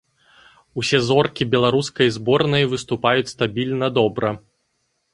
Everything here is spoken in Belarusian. Усе зоркі беларускай зборнай выступаюць стабільна добра.